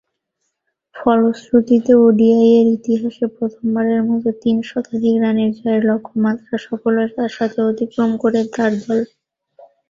ফলশ্রুতিতে, ওডিআইয়ের ইতিহাসে প্রথমবারের মতো তিন শতাধিক রানের জয়ের লক্ষ্যমাত্রা সফলতার সাথে অতিক্রম করে তার দল।